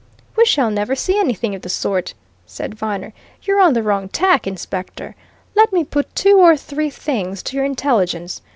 "We shall never see anything of the sort!" said Viner. "You're on the wrong tack, Inspector. Let me put two or three things to your intelligence.